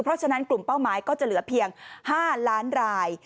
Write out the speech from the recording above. เพราะฉะนั้นกลุ่มเป้าหมายก็จะเหลือเพียง๕ล้านราย